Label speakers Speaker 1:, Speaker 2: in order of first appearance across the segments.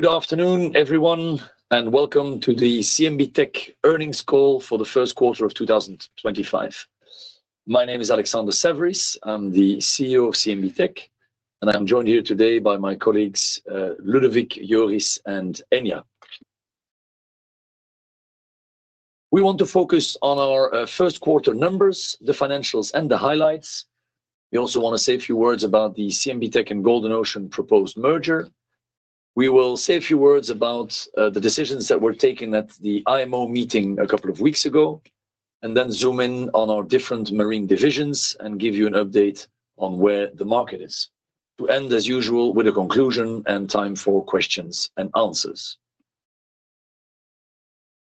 Speaker 1: Good afternoon, everyone, and welcome to the CMB.TECH earnings call for the first quarter of 2025. My name is Alexander Saverys. I'm the CEO of CMB.TECH, and I'm joined here today by my colleagues, Ludovic, Joris, and Enya. We want to focus on our first quarter numbers, the financials, and the highlights. We also want to say a few words about the CMB.TECH and Golden Ocean proposed merger. We will say a few words about the decisions that were taken at the IMO meeting a couple of weeks ago, and then zoom in on our different marine divisions and give you an update on where the market is. To end, as usual, with a conclusion and time for questions and answers.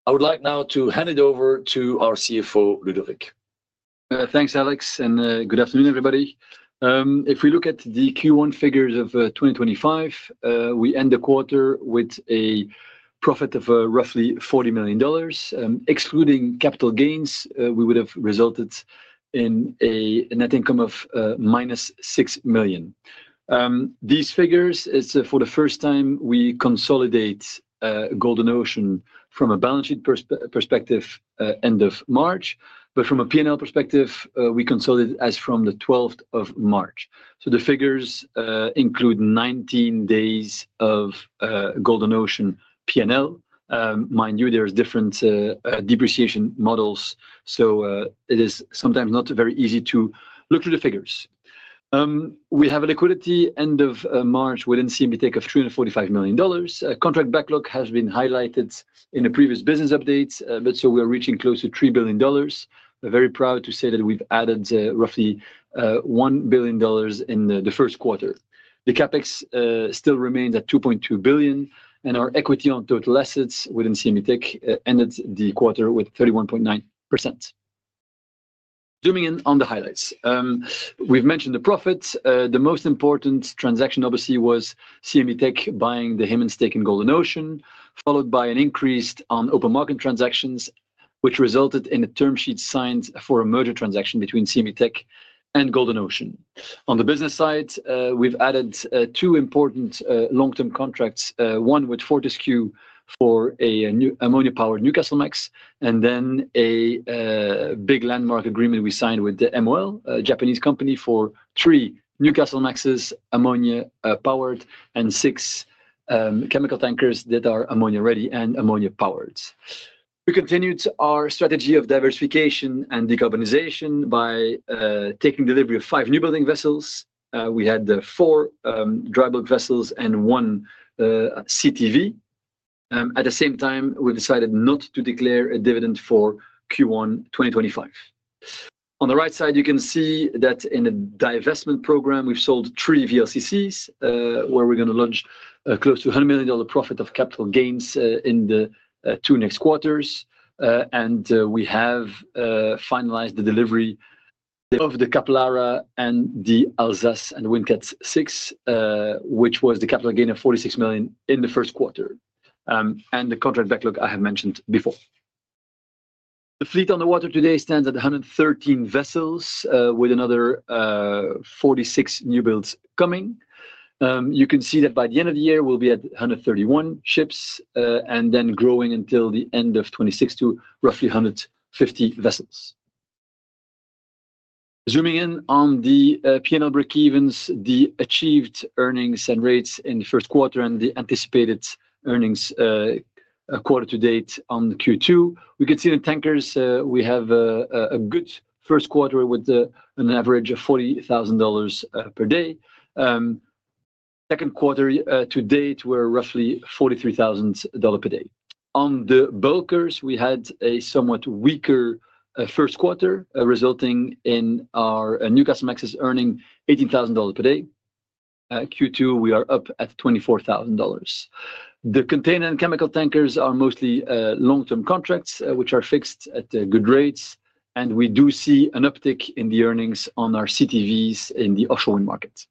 Speaker 1: I would like now to hand it over to our CFO, Ludovic.
Speaker 2: Thanks, Alex, and good afternoon, everybody. If we look at the Q1 figures of 2025, we end the quarter with a profit of roughly $40 million. Excluding capital gains, we would have resulted in a net income of -$6 million. These figures, it's for the first time we consolidate Golden Ocean from a balance sheet perspective end of March, but from a P&L perspective, we consolidate as from the 12th of March. The figures include 19 days of Golden Ocean P&L. Mind you, there are different depreciation models, so it is sometimes not very easy to look through the figures. We have a liquidity end of March within CMB.TECH of $345 million. Contract backlog has been highlighted in a previous business update, but we're reaching close to $3 billion. Very proud to say that we've added roughly $1 billion in the first quarter. The CapEx still remains at $2.2 billion, and our equity on total assets within CMB.TECH ended the quarter with 31.9%. Zooming in on the highlights, we've mentioned the profits. The most important transaction, obviously, was CMB.TECH buying the Hemen stake in Golden Ocean, followed by an increase on open market transactions, which resulted in a term sheet signed for a merger transaction between CMB.TECH and Golden Ocean. On the business side, we've added two important long-term contracts, one with Fortescue for an ammonia-powered Newcastlemax, and then a big landmark agreement we signed with MOL, a Japanese company, for three Newcastlemaxes ammonia-powered and six chemical tankers that are ammonia-ready and ammonia-powered. We continued our strategy of diversification and decarbonization by taking delivery of five newbuilding vessels. We had four dry bulk vessels and one CTV. At the same time, we decided not to declare a dividend for Q1 2025. On the right side, you can see that in a divestment program, we've sold three VLCCs, where we're going to launch a close to $100 million profit of capital gains in the two next quarters. We have finalized the delivery of the Cap Lara and the Alsace and Windcat 6, which was the capital gain of $46 million in the first quarter, and the contract backlog I have mentioned before. The fleet on the water today stands at 113 vessels, with another 46 new builds coming. You can see that by the end of the year, we'll be at 131 ships, and then growing until the end of 2026 to roughly 150 vessels. Zooming in on the P&L breakevens, the achieved earnings and rates in the first quarter, and the anticipated earnings quarter to date on Q2. We can see in tankers, we have a good first quarter with an average of $40,000 per day. Second quarter to date, we're roughly $43,000 per day. On the bulkers, we had a somewhat weaker first quarter, resulting in our Newcastlemax's earning $18,000 per day. Q2, we are up at $24,000. The container and chemical tankers are mostly long-term contracts, which are fixed at good rates, and we do see an uptick in the earnings on our CTVs in the offshore wind market.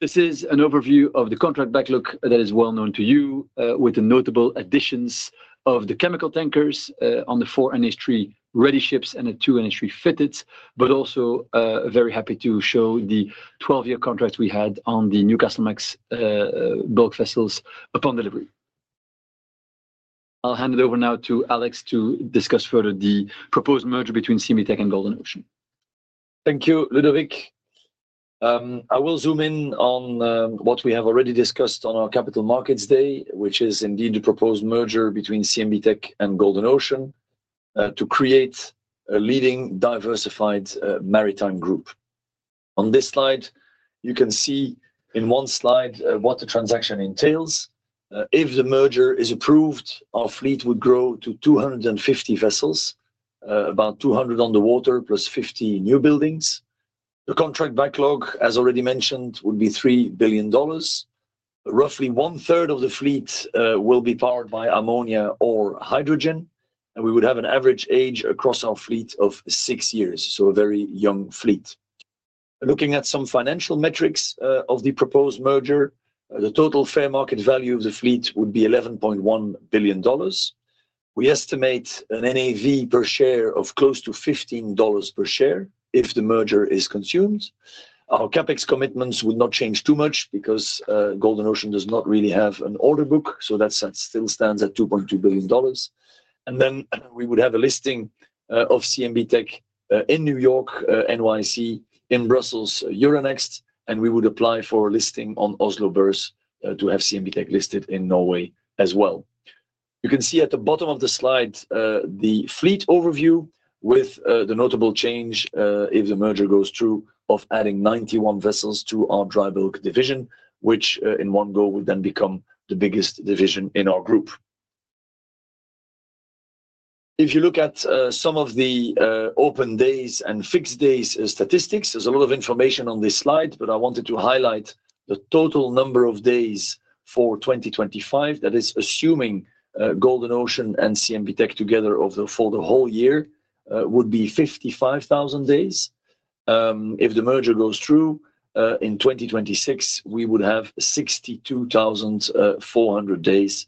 Speaker 2: This is an overview of the contract backlog that is well known to you, with the notable additions of the chemical tankers on the four NH3-ready ships and the two NH3-fitted, but also very happy to show the 12-year contracts we had on the Newcastlemax bulk vessels upon delivery. I'll hand it over now to Alex to discuss further the proposed merger between CMB.TECH and Golden Ocean.
Speaker 1: Thank you, Ludovic. I will zoom in on what we have already discussed on our Capital Markets Day, which is indeed the proposed merger between CMB.TECH and Golden Ocean to create a leading diversified maritime group. On this slide, you can see in one slide what the transaction entails. If the merger is approved, our fleet would grow to 250 vessels, about 200 underwater plus 50 new buildings. The contract backlog, as already mentioned, would be $3 billion. Roughly one-third of the fleet will be powered by ammonia or hydrogen, and we would have an average age across our fleet of six years, so a very young fleet. Looking at some financial metrics of the proposed merger, the total fair market value of the fleet would be $11.1 billion. We estimate an NAV per share of close to $15 per share if the merger is consumed. Our CapEx commitments would not change too much because Golden Ocean does not really have an order book, so that still stands at $2.2 billion. We would have a listing of CMB.TECH in New York, NYSE in Brussels, Euronext, and we would apply for a listing on Oslobors to have CMB.TECH listed in Norway as well. You can see at the bottom of the slide the fleet overview with the notable change, if the merger goes through, of adding 91 vessels to our dry bulk division, which in one go would then become the biggest division in our group. If you look at some of the open days and fixed days statistics, there is a lot of information on this slide, but I wanted to highlight the total number of days for 2025. That is, assuming Golden Ocean and CMB.TECH together for the whole year would be 55,000 days. If the merger goes through in 2026, we would have 62,400 days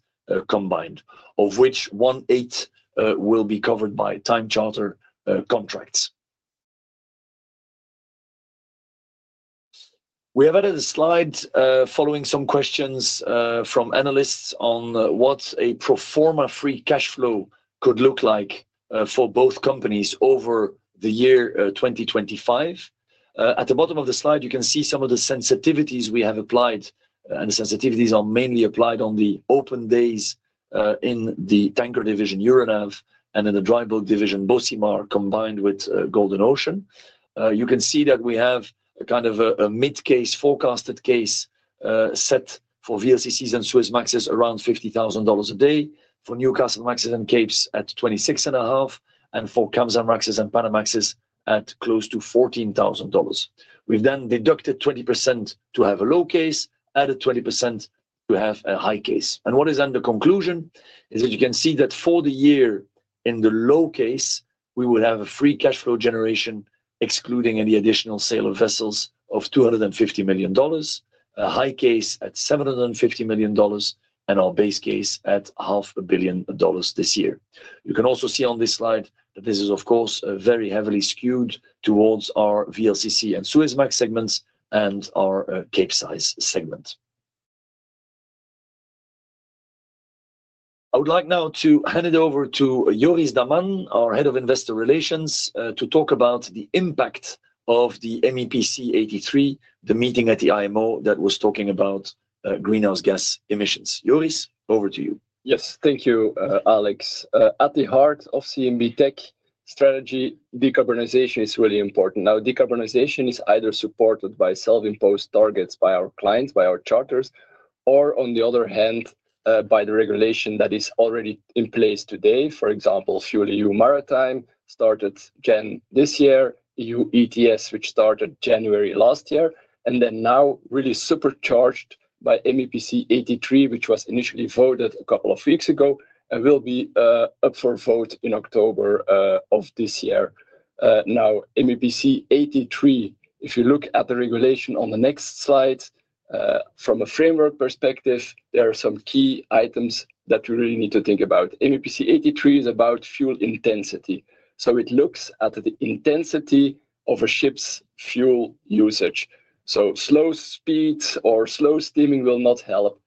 Speaker 1: combined, of which one-eighth will be covered by time charter contracts. We have added a slide following some questions from analysts on what a pro forma free cash flow could look like for both companies over the year 2025. At the bottom of the slide, you can see some of the sensitivities we have applied, and the sensitivities are mainly applied on the open days in the tanker division, Euronav, and in the dry bulk division, Bocimar, combined with Golden Ocean. You can see that we have a kind of a mid-case forecasted case set for VLCCs and Suezmaxes around $50,000 a day, for Newcastlemaxes and Capes at $26,500, and for Kamsarmaxes and Panamaxes at close to $14,000. We've then deducted 20% to have a low case, added 20% to have a high case. What is then the conclusion is that you can see that for the year in the low case, we would have a free cash flow generation, excluding any additional sale of vessels, of $250 million, a high case at $750 million, and our base case at $500,000,000 this year. You can also see on this slide that this is, of course, very heavily skewed towards our VLCC and Suezmax segments and our Capesize segment. I would like now to hand it over to Joris Daman, our Head of Investor Relations, to talk about the impact of the MEPC 83, the meeting at the IMO that was talking about greenhouse gas emissions. Joris, over to you.
Speaker 3: Yes, thank you, Alex. At the heart of CMB.TECH strategy, decarbonization is really important. Now, decarbonization is either supported by self-imposed targets by our clients, by our charters, or on the other hand, by the regulation that is already in place today. For example, FuelEU Maritime started again this year, EU ETS, which started January last year, and then now really supercharged by MEPC 83, which was initially voted a couple of weeks ago and will be up for vote in October of this year. Now, MEPC 83, if you look at the regulation on the next slide, from a framework perspective, there are some key items that we really need to think about. MEPC 83 is about fuel intensity. It looks at the intensity of a ship's fuel usage. Slow speeds or slow steaming will not help.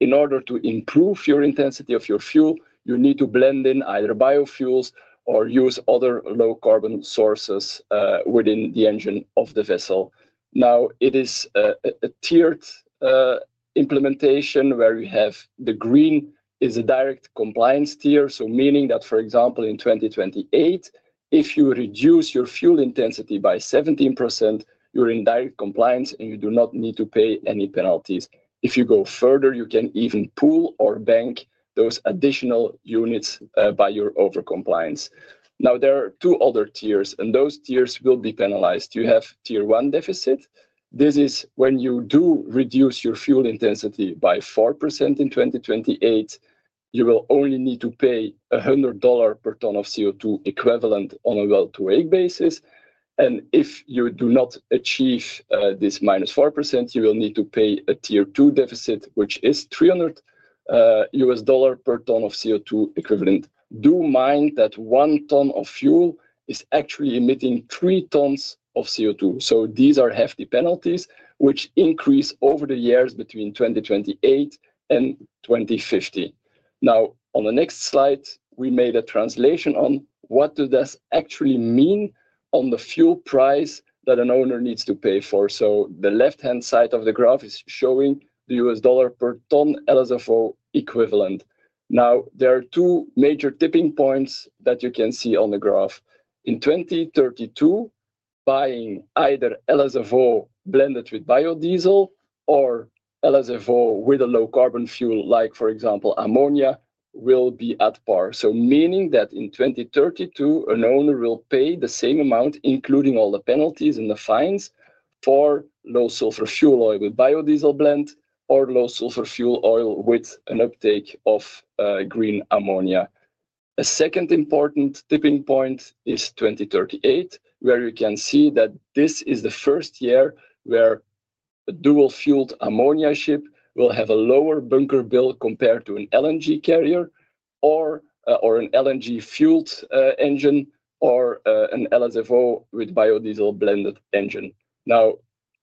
Speaker 3: In order to improve your intensity of your fuel, you need to blend in either biofuels or use other low-carbon sources within the engine of the vessel. Now, it is a tiered implementation where you have the green is a direct compliance tier, so meaning that, for example, in 2028, if you reduce your fuel intensity by 17%, you're in direct compliance and you do not need to pay any penalties. If you go further, you can even pool or bank those additional units by your overcompliance. Now, there are two other tiers, and those tiers will be penalized. You have Tier 1 deficit. This is when you do reduce your fuel intensity by 4% in 2028, you will only need to pay $100 per tonne of CO2 equivalent on a well-to-wake basis. If you do not achieve this - 4%, you will need to pay a tier two deficit, which is $300 per tonne of CO2 equivalent. Do mind that one tonne of fuel is actually emitting three tonnes of CO2. These are hefty penalties, which increase over the years between 2028 and 2050. Now, on the next slide, we made a translation on what does this actually mean on the fuel price that an owner needs to pay for. The left-hand side of the graph is showing the $ per tonne LSFO equivalent. There are two major tipping points that you can see on the graph. In 2032, buying either LSFO blended with biodiesel or LSFO with a low-carbon fuel, like for example, ammonia, will be at par. Meaning that in 2032, an owner will pay the same amount, including all the penalties and the fines for low-sulfur fuel oil with biodiesel blend or low-sulfur fuel oil with an uptake of green ammonia. A second important tipping point is 2038, where you can see that this is the first year where a dual-fueled ammonia ship will have a lower bunker bill compared to an LNG carrier or an LNG-fueled engine or an LSFO with biodiesel blended engine. Now,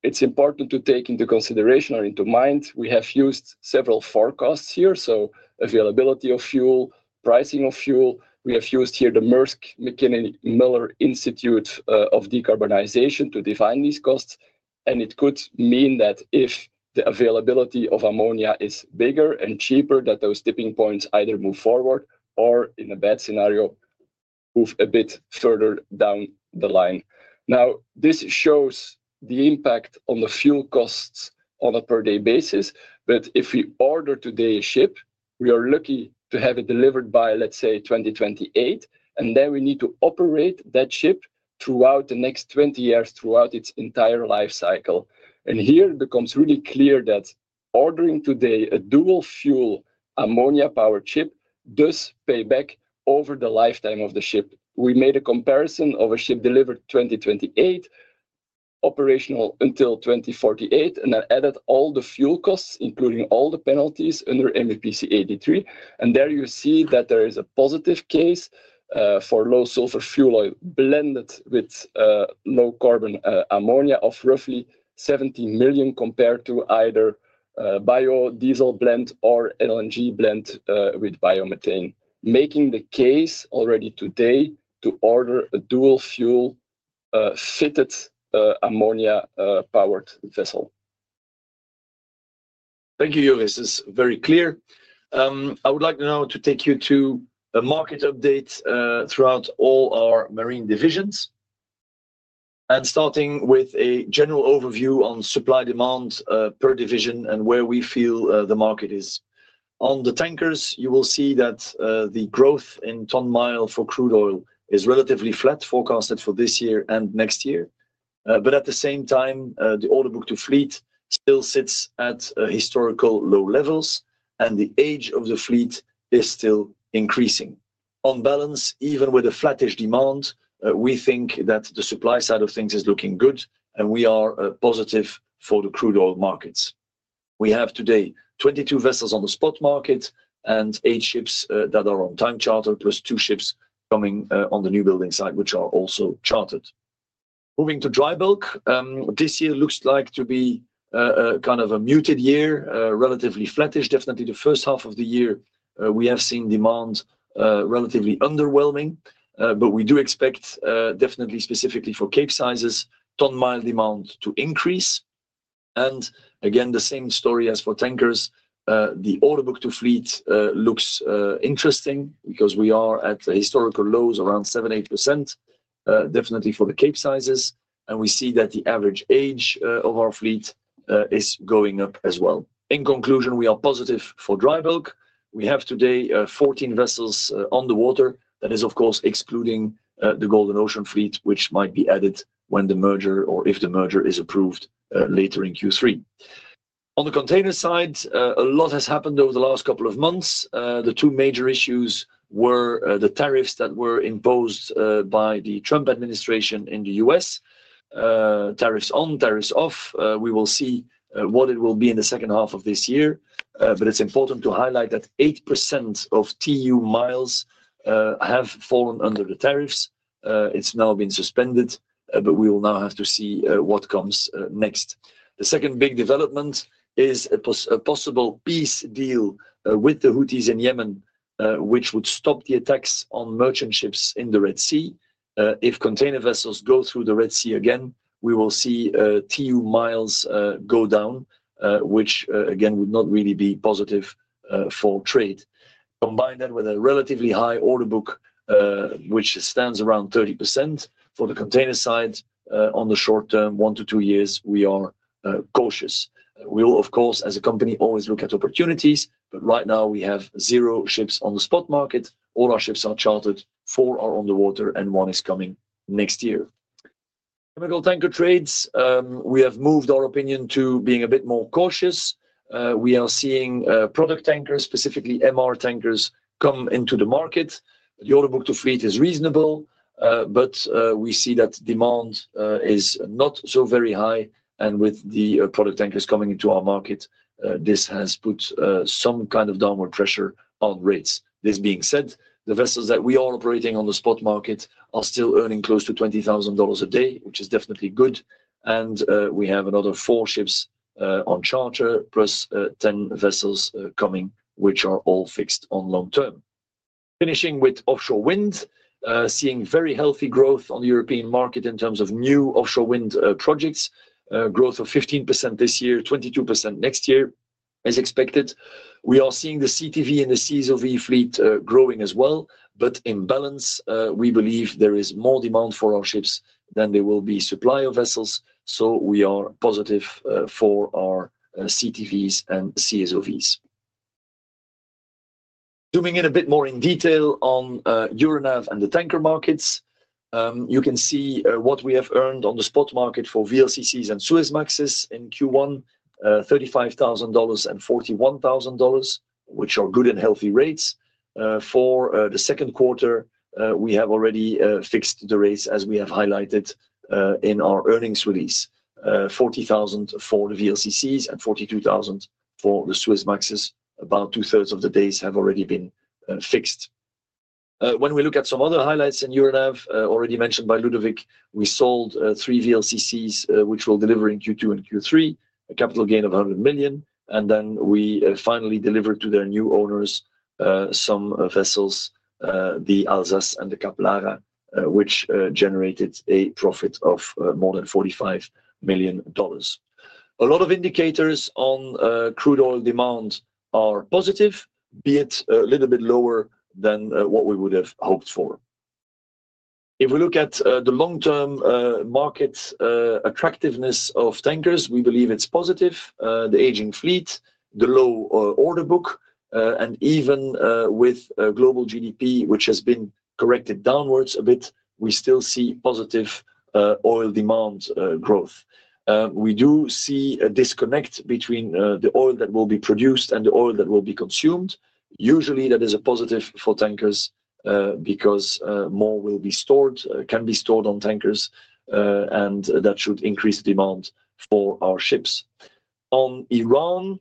Speaker 3: it's important to take into consideration or into mind, we have used several forecasts here, so availability of fuel, pricing of fuel. We have used here the Mærsk Mc-Kinney Møller Institute of Decarbonization to define these costs. And it could mean that if the availability of ammonia is bigger and cheaper, that those tipping points either move forward or, in a bad scenario, move a bit further down the line. Now, this shows the impact on the fuel costs on a per-day basis. If we order today a ship, we are lucky to have it delivered by, let's say, 2028, and then we need to operate that ship throughout the next 20 years, throughout its entire life cycle. Here it becomes really clear that ordering today a dual-fuel ammonia-powered ship does pay back over the lifetime of the ship. We made a comparison of a ship delivered 2028, operational until 2048, and I added all the fuel costs, including all the penalties under MEPC 83. There you see that there is a positive case for low-sulfur fuel oil blended with low-carbon ammonia of roughly $17 million compared to either biodiesel blend or LNG blend with biomethane, making the case already today to order a dual-fuel fitted ammonia-powered vessel.
Speaker 1: Thank you, Joris. This is very clear. I would like now to take you to a market update throughout all our marine divisions, and starting with a general overview on supply demand per division and where we feel the market is. On the tankers, you will see that the growth in tonne-mile for crude oil is relatively flat, forecasted for this year and next year. At the same time, the order book-to-fleet still sits at historical low levels, and the age of the fleet is still increasing. On balance, even with a flattish demand, we think that the supply side of things is looking good, and we are positive for the crude oil markets. We have today 22 vessels on the spot market and eight ships that are on time charter, plus two ships coming on the new building side, which are also chartered. Moving to dry bulk, this year looks like to be kind of a muted year, relatively flattish. Definitely the first half of the year, we have seen demand relatively underwhelming, but we do expect, definitely specifically for Capesizes, tonne-mile demand to increase. Again, the same story as for tankers, the order book to fleet looks interesting because we are at historical lows around 7%-8%, definitely for the Capesizes. We see that the average age of our fleet is going up as well. In conclusion, we are positive for dry bulk. We have today 14 vessels on the water. That is, of course, excluding the Golden Ocean fleet, which might be added when the merger or if the merger is approved later in Q3. On the container side, a lot has happened over the last couple of months. The two major issues were the tariffs that were imposed by the Trump administration in the U.S., tariffs on, tariffs off. We will see what it will be in the second half of this year. It is important to highlight that 8% of TEU miles have fallen under the tariffs. It has now been suspended, but we will now have to see what comes next. The second big development is a possible peace deal with the Houthis in Yemen, which would stop the attacks on merchant ships in the Red Sea. If container vessels go through the Red Sea again, we will see TEU miles go down, which again would not really be positive for trade. Combine that with a relatively high order book, which stands around 30% for the container side on the short term, 1-2 years, we are cautious. We will, of course, as a company, always look at opportunities, but right now we have zero ships on the spot market. All our ships are chartered, four are underwater, and one is coming next year. Chemical tanker trades, we have moved our opinion to being a bit more cautious. We are seeing product tankers, specifically MR tankers, come into the market. The order book to fleet is reasonable, but we see that demand is not so very high. With the product tankers coming into our market, this has put some kind of downward pressure on rates. This being said, the vessels that we are operating on the spot market are still earning close to $20,000 a day, which is definitely good. And we have another four ships on charter, plus 10 vessels coming, which are all fixed on long-term. Finishing with offshore wind, seeing very healthy growth on the European market in terms of new offshore wind projects, growth of 15% this year, 22% next year, as expected. We are seeing the CTV and the CSOV fleet growing as well, but in balance, we believe there is more demand for our ships than there will be supply of vessels. So we are positive for our CTVs and CSOVs. Zooming in a bit more in detail on Euronav and the tanker markets, you can see what we have earned on the spot market for VLCCs and Suezmaxes in Q1, $35,000 and $41,000, which are good and healthy rates. For the second quarter, we have already fixed the rates as we have highlighted in our earnings release, $40,000 for the VLCCs and $42,000 for the Suezmaxes. About two-thirds of the days have already been fixed. When we look at some other highlights in Euronav, already mentioned by Ludovic, we sold three VLCCs, which we'll deliver in Q2 and Q3, a capital gain of $100 million. We finally delivered to their new owners some vessels, the Alsace and the Cap Lara, which generated a profit of more than $45 million. A lot of indicators on crude oil demand are positive, be it a little bit lower than what we would have hoped for. If we look at the long-term market attractiveness of tankers, we believe it's positive. The aging fleet, the low order book, and even with global GDP, which has been corrected downwards a bit, we still see positive oil demand growth. We do see a disconnect between the oil that will be produced and the oil that will be consumed. Usually, that is a positive for tankers because more will be stored, can be stored on tankers, and that should increase demand for our ships. On Iran,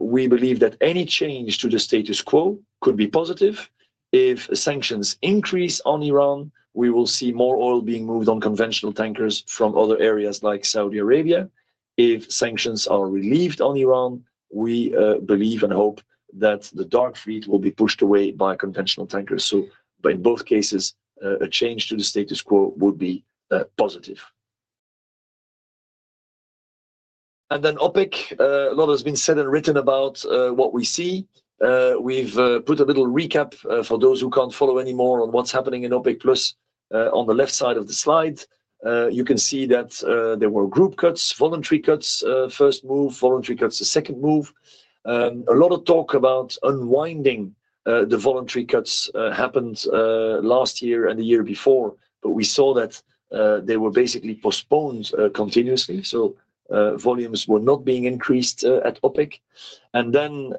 Speaker 1: we believe that any change to the status quo could be positive. If sanctions increase on Iran, we will see more oil being moved on conventional tankers from other areas like Saudi Arabia. If sanctions are relieved on Iran, we believe and hope that the dark fleet will be pushed away by conventional tankers. So in both cases, a change to the status quo would be positive. OPEC, a lot has been said and written about what we see. We've put a little recap for those who can't follow anymore on what's happening in OPEC+ on the left side of the slide. You can see that there were group cuts, voluntary cuts, first move, voluntary cuts, the second move. A lot of talk about unwinding the voluntary cuts happened last year and the year before, but we saw that they were basically postponed continuously. So volumes were not being increased at OPEC. And then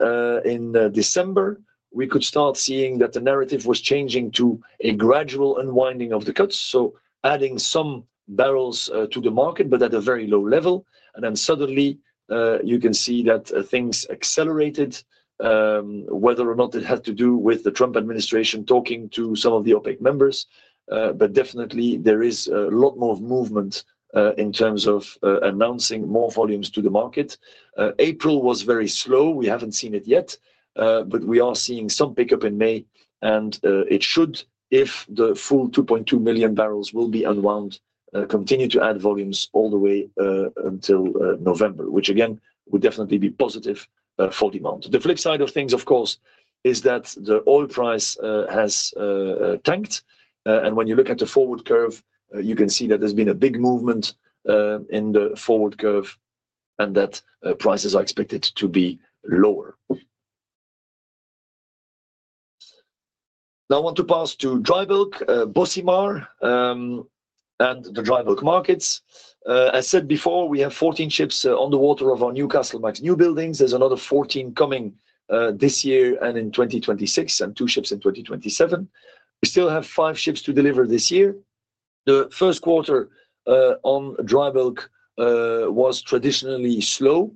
Speaker 1: in December, we could start seeing that the narrative was changing to a gradual unwinding of the cuts, adding some barrels to the market, but at a very low level. And then suddenly, you can see that things accelerated, whether or not it has to do with the Trump administration talking to some of the OPEC members. Definitely, there is a lot more movement in terms of announcing more volumes to the market. April was very slow. We have not seen it yet, but we are seeing some pickup in May. It should, if the full 2.2 million barrels will be unwound, continue to add volumes all the way until November, which again would definitely be positive for demand. The flip side of things, of course, is that the oil price has tanked. When you look at the forward curve, you can see that there has been a big movement in the forward curve and that prices are expected to be lower. Now I want to pass to dry bulk, Bocimar, and the dry bulk markets. As said before, we have 14 ships underwater of our Newcastlemax newbuildings. There is another 14 coming this year and in 2026, and two ships in 2027. We still have five ships to deliver this year. The first quarter on dry bulk was traditionally slow.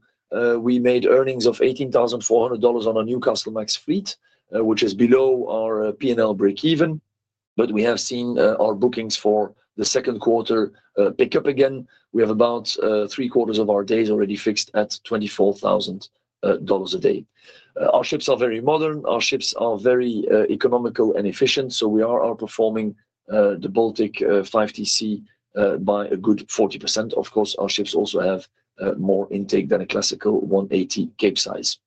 Speaker 1: We made earnings of $18,400 on our Newcastlemax fleet, which is below our P&L breakeven. We have seen our bookings for the second quarter pick up again. We have about three-quarters of our days already fixed at $24,000 a day. Our ships are very modern. Our ships are very economical and efficient. We are outperforming the Baltic 5TC by a good 40%. Our ships also have more intake than a classical 180 Capesize.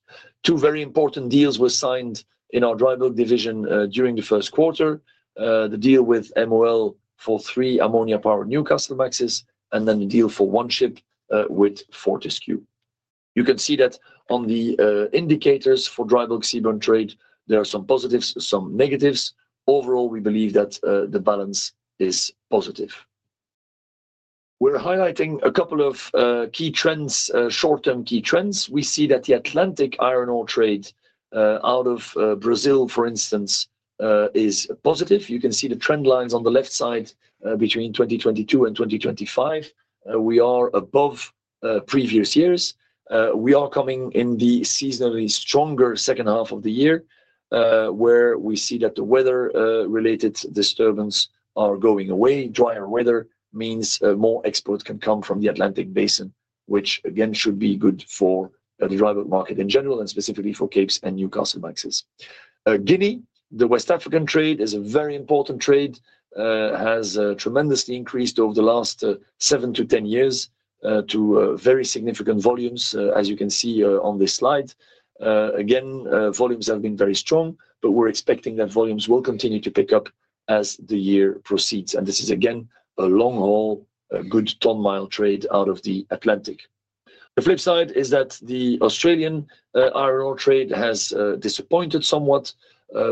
Speaker 1: Two very important deals were signed in our dry bulk division during the first quarter, the deal with MOL for three ammonia-powered Newcastlemaxes, and the deal for one ship with Fortescue. You can see that on the indicators for dry bulk seaborne trade, there are some positives, some negatives. Overall, we believe that the balance is positive. We are highlighting a couple of key trends, short-term key trends. We see that the Atlantic iron ore trade out of Brazil, for instance, is positive. You can see the trend lines on the left side between 2022 and 2025. We are above previous years. We are coming in the seasonally stronger second half of the year, where we see that the weather-related disturbance are going away. Drier weather means more export can come from the Atlantic Basin, which again should be good for the dry bulk market in general and specifically for Capes and Newcastlemaxes. Guinea, the West African trade is a very important trade, has tremendously increased over the last 7-10 years to very significant volumes, as you can see on this slide. Again, volumes have been very strong, but we're expecting that volumes will continue to pick up as the year proceeds. This is again a long-haul, good tonne-mile trade out of the Atlantic. The flip side is that the Australian iron ore trade has disappointed somewhat,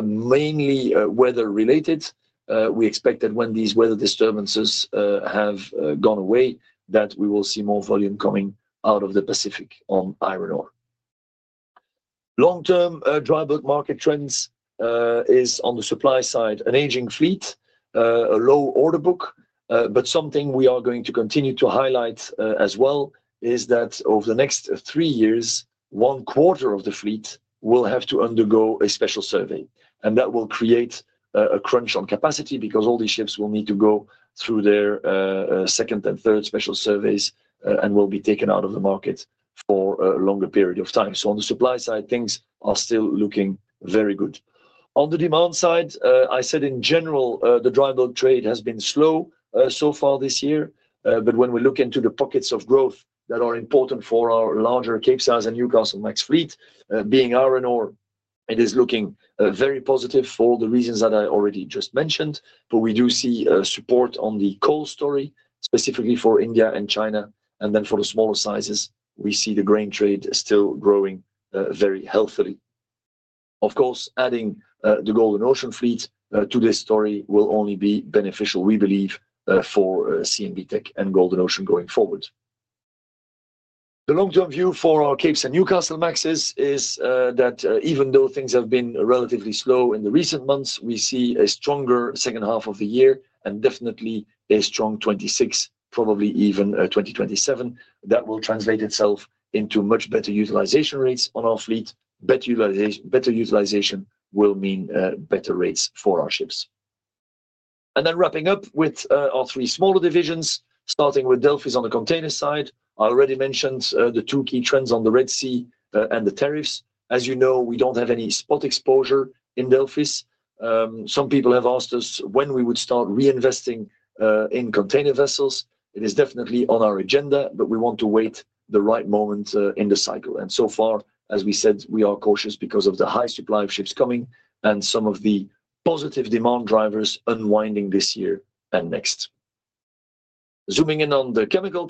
Speaker 1: mainly weather-related. We expect that when these weather disturbances have gone away, that we will see more volume coming out of the Pacific on iron ore. Long-term dry bulk market trends is on the supply side, an aging fleet, a low order book. Something we are going to continue to highlight as well is that over the next three years, one quarter of the fleet will have to undergo a special survey. That will create a crunch on capacity because all these ships will need to go through their second and third special surveys and will be taken out of the market for a longer period of time. On the supply side, things are still looking very good. On the demand side, I said in general, the dry bulk trade has been slow so far this year. When we look into the pockets of growth that are important for our larger Capesize and Newcastlemax fleet, being iron ore, it is looking very positive for all the reasons that I already just mentioned. We do see support on the coal story, specifically for India and China. For the smaller sizes, we see the grain trade still growing very healthily. Of course, adding the Golden Ocean fleet to this story will only be beneficial, we believe, for CMB.TECH and Golden Ocean going forward. The long-term view for our Capes and Newcastlemaxes is that even though things have been relatively slow in the recent months, we see a stronger second half of the year and definitely a strong 2026, probably even 2027, that will translate itself into much better utilization rates on our fleet. Better utilization will mean better rates for our ships. Wrapping up with our three smaller divisions, starting with Delphis on the container side, I already mentioned the two key trends on the Red Sea and the tariffs. As you know, we do not have any spot exposure in Delphis. Some people have asked us when we would start reinvesting in container vessels. It is definitely on our agenda, but we want to wait the right moment in the cycle. As we said, we are cautious because of the high supply of ships coming and some of the positive demand drivers unwinding this year and next. Zooming in on the chemical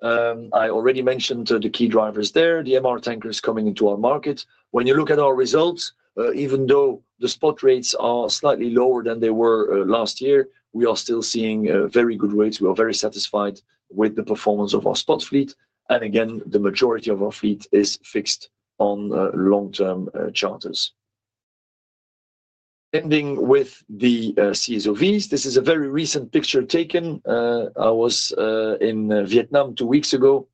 Speaker 1: tankers, I already mentioned the key drivers there, the MR tankers coming into our market. When you look at our results, even though the spot rates are slightly lower than they were last year, we are still seeing very good rates. We are very satisfied with the performance of our spot fleet. Again, the majority of our fleet is fixed on long-term charters. Ending with the CSOVs, this is a very recent picture taken. I was in Vietnam two weeks ago,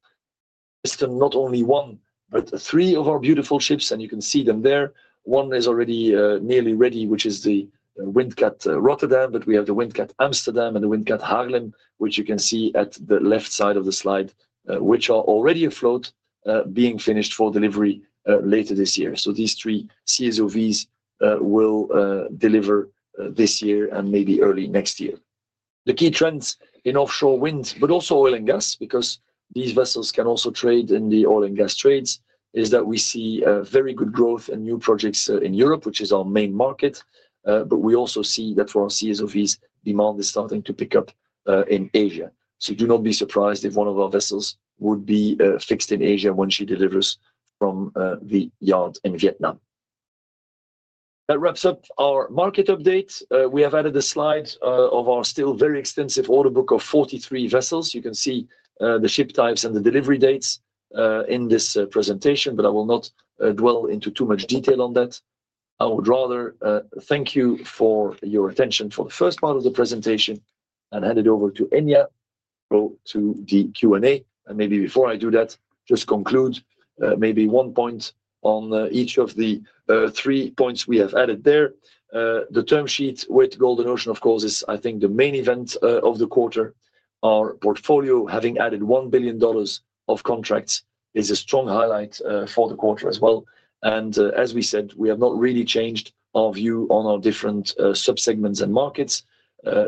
Speaker 1: listing not only one, but three of our beautiful ships, and you can see them there. One is already nearly ready, which is the Windcat Rotterdam, but we have the Windcat Amsterdam and the Windcat Haarlem, which you can see at the left side of the slide, which are already afloat, being finished for delivery later this year. These three CSOVs will deliver this year and maybe early next year. The key trends in offshore wind, but also oil and gas, because these vessels can also trade in the oil and gas trades, is that we see very good growth and new projects in Europe, which is our main market. We also see that for our CSOVs, demand is starting to pick up in Asia. Do not be surprised if one of our vessels would be fixed in Asia when she delivers from the yard in Vietnam. That wraps up our market update. We have added a slide of our still very extensive order book of 43 vessels. You can see the ship types and the delivery dates in this presentation, but I will not dwell into too much detail on that. I would rather thank you for your attention for the first part of the presentation and hand it over to Enya to go to the Q&A. Maybe before I do that, just conclude maybe one point on each of the three points we have added there. The term sheet with Golden Ocean, of course, is I think the main event of the quarter. Our portfolio, having added $1 billion of contracts, is a strong highlight for the quarter as well. As we said, we have not really changed our view on our different subsegments and markets.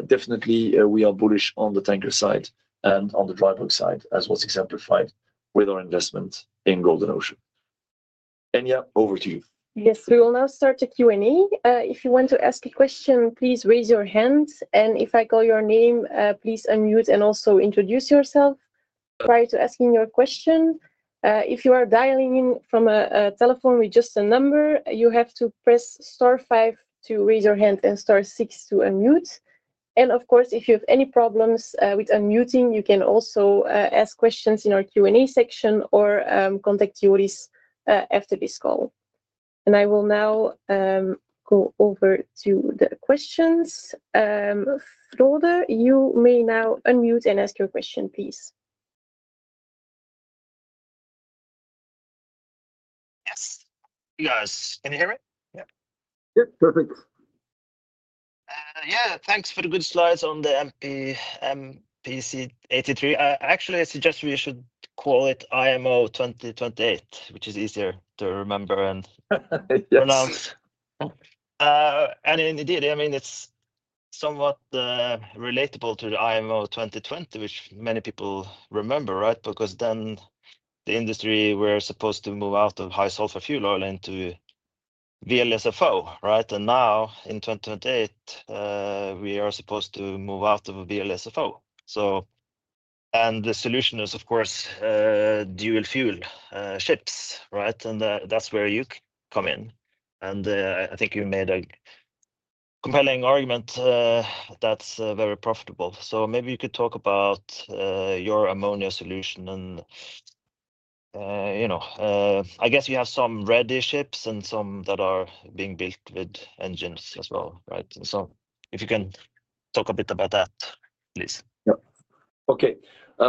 Speaker 1: Definitely, we are bullish on the tanker side and on the dry bulk side, as was exemplified with our investment in Golden Ocean. Enya, over to you.
Speaker 4: Yes, we will now start the Q&A. If you want to ask a question, please raise your hand. If I call your name, please unmute and also introduce yourself prior to asking your question. If you are dialing in from a telephone with just a number, you have to press star five to raise your hand and star six to unmute. And of course, if you have any problems with unmuting, you can also ask questions in our Q&A section or contact Joris after this call. I will now go over to the questions. Frode, you may now unmute and ask your question, please.
Speaker 5: Yes. Can you hear me?
Speaker 1: Yep. Perfect. Yeah.
Speaker 5: Thanks for the good slides on the MEPC 83. Actually, I suggest we should call it IMO 2028, which is easier to remember and pronounce. I mean, it's somewhat relatable to the IMO 2020, which many people remember, right? Because then the industry were supposed to move out of high sulfur fuel oil into VLSFO, right? In 2028, we are supposed to move out of VLSFO. And the solution is, of course, dual fuel ships, right? That's where you come in. And I think you made a compelling argument that's very profitable. So maybe you could talk about your ammonia solution. I guess you have some ready ships and some that are being built with engines as well, right? So if you can talk a bit about that, please.
Speaker 1: Yeah. Okay.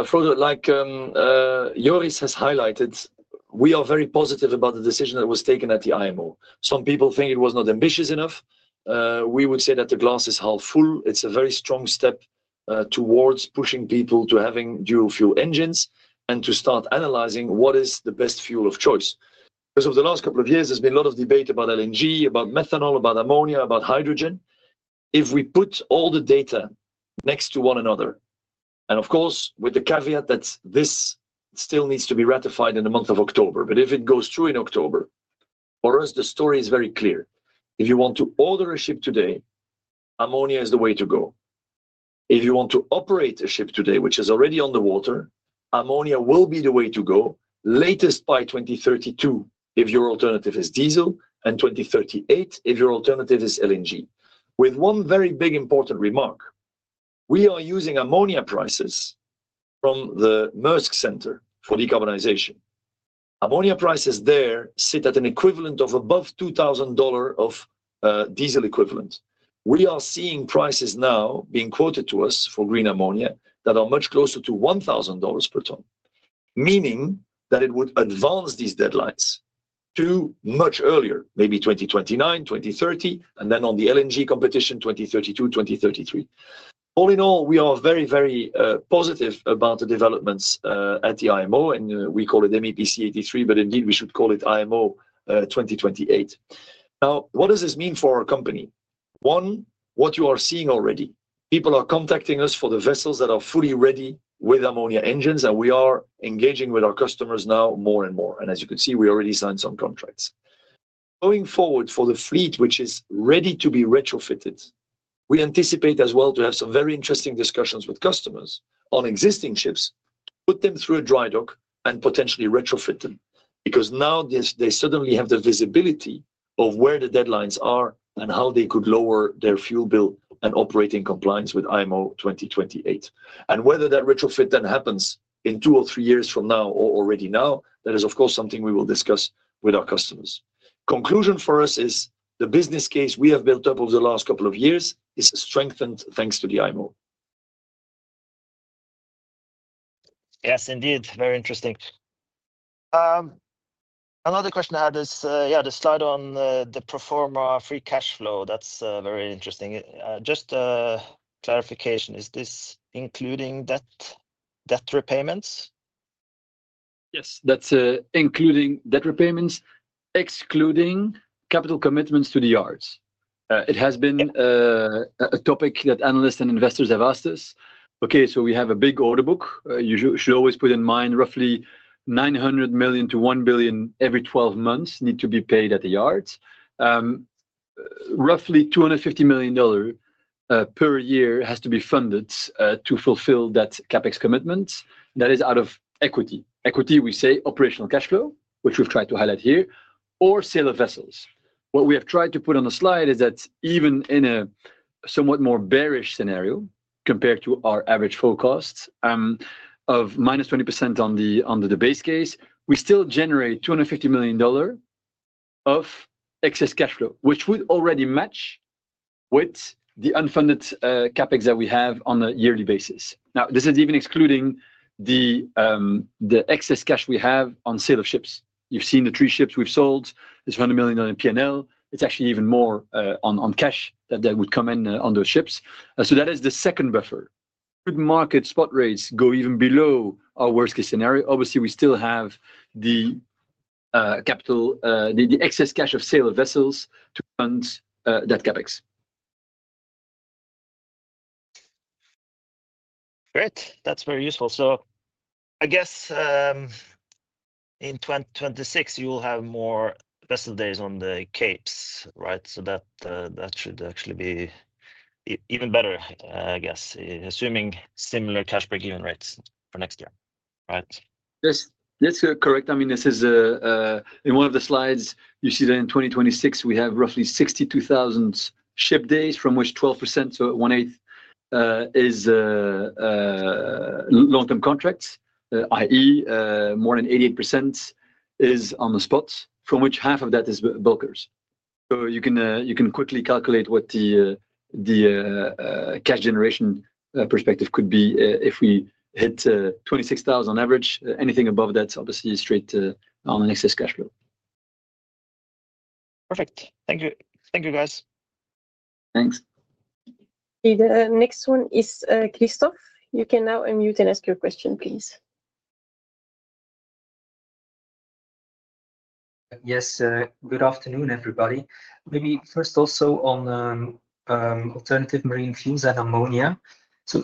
Speaker 1: Frode, like Joris has highlighted, we are very positive about the decision that was taken at the IMO. Some people think it was not ambitious enough. We would say that the glass is half full. It's a very strong step towards pushing people to having dual fuel engines and to start analyzing what is the best fuel of choice. Because over the last couple of years, there's been a lot of debate about LNG, about methanol, about ammonia, about hydrogen. If we put all the data next to one another, and of course, with the caveat that this still needs to be ratified in the month of October, but if it goes through in October, for us, the story is very clear. If you want to order a ship today, ammonia is the way to go. If you want to operate a ship today, which is already underwater, ammonia will be the way to go, latest by 2032 if your alternative is diesel and 2038 if your alternative is LNG. With one very big important remark, we are using ammonia prices from the Maersk Center for decarbonization. Ammonia prices there sit at an equivalent of above $2,000 of diesel equivalent. We are seeing prices now being quoted to us for green ammonia that are much closer to $1,000 per ton, meaning that it would advance these deadlines to much earlier, maybe 2029, 2030, and then on the LNG competition, 2032, 2033. All in all, we are very, very positive about the developments at the IMO, and we call it MEPC 83, but indeed, we should call it IMO 2028. Now, what does this mean for our company? One, what you are seeing already, people are contacting us for the vessels that are fully ready with ammonia engines, and we are engaging with our customers now more and more. As you can see, we already signed some contracts. Going forward for the fleet which is ready to be retrofitted, we anticipate as well to have some very interesting discussions with customers on existing ships, put them through a dry dock, and potentially retrofit them, because now they suddenly have the visibility of where the deadlines are and how they could lower their fuel bill and operate in compliance with IMO 2028. Whether that retrofit then happens in two or three years from now or already now, that is, of course, something we will discuss with our customers. Conclusion for us is the business case we have built up over the last couple of years is strengthened thanks to the IMO.
Speaker 5: Yes, indeed. Very interesting. Another question I had is, yeah, the slide on the pro forma free cash flow, that's very interesting. Just a clarification, is this including debt repayments?
Speaker 2: Yes, that's including debt repayments, excluding capital commitments to the yards. It has been a topic that analysts and investors have asked us. Okay, so we have a big order book. You should always put in mind roughly $900 million-$1 billion every 12 months need to be paid at the yards. Roughly $250 million per year has to be funded to fulfill that CapEx commitment. That is out of equity. Equity, we say operational cash flow, which we've tried to highlight here, or sale of vessels. What we have tried to put on the slide is that even in a somewhat more bearish scenario compared to our average full cost of -20% on the base case, we still generate $250 million of excess cash flow, which would already match with the unfunded CapEx that we have on a yearly basis. Now, this is even excluding the excess cash we have on sale of ships. You've seen the three ships we've sold, this $100 million P&L. It's actually even more on cash that would come in on those ships. That is the second buffer. Could market spot rates go even below our worst-case scenario? Obviously, we still have the excess cash of sale of vessels to fund that CapEx.
Speaker 5: Great. That's very useful. I guess in 2026, you'll have more vessel days on the Capes, right? That should actually be even better, I guess, assuming similar cash break-even rates for next year, right?
Speaker 2: Yes. That's correct. I mean, this is in one of the slides, you see that in 2026, we have roughly 62,000 ship days, from which 12%, so one-eighth, is long-term contracts, i.e., more than 88% is on the spots, from which half of that is bulkers. You can quickly calculate what the cash generation perspective could be if we hit $26,000 on average. Anything above that, obviously, is straight on an excess cash flow.
Speaker 5: Perfect. Thank you. Thank you, guys.
Speaker 2: Thanks.
Speaker 4: The next one is Kristof. You can now unmute and ask your question, please.
Speaker 6: Yes. Good afternoon, everybody. Maybe first also on alternative marine fuels and ammonia.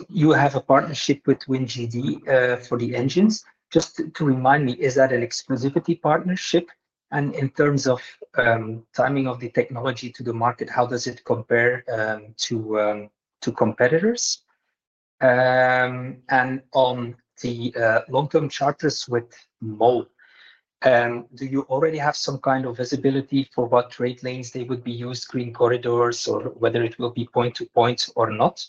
Speaker 6: You have a partnership with WinGD for the engines. Just to remind me, is that an exclusivity partnership? In terms of timing of the technology to the market, how does it compare to competitors? On the long-term charters with MOL, do you already have some kind of visibility for what trade lanes they would be used, green corridors, or whether it will be point-to-point or not?